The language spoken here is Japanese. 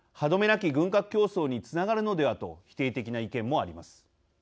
なき軍拡競争につながるのではと否定的な意見もあります。